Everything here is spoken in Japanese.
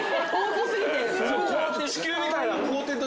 地球みたいな。